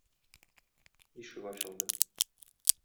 Ишек ачылды.